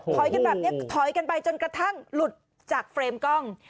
กันแบบนี้ถอยกันไปจนกระทั่งหลุดจากเฟรมกล้อง